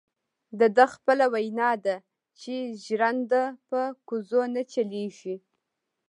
دده خپله وینا ده چې ژرنده په کوزو نه چلیږي.